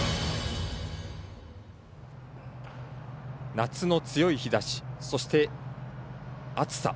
夏の強い日ざしそして、暑さ。